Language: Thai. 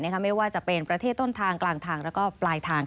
ไม่ว่าจะเป็นประเทศต้นทางกลางทางแล้วก็ปลายทาง